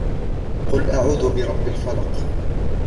قُلْ أَعُوذُ بِرَبِّ الْفَلَقِ